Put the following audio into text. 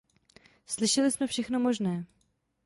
Slyšeli jsme všechno možné.